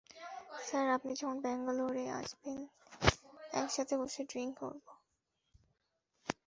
Sir, আপনি যখন ব্যাঙ্গালোরে আসবেন একসাথে বসে ড্রিংক করবো।